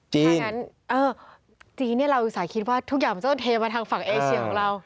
ถ้างั้นจีนเราอุตส่าห์คิดว่าทุกอย่างมันจะต้องเทมาทางฝั่งเอเชียของเรา